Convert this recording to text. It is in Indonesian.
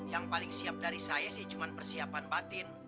yang paling siap dari saya sih cuma persiapan batin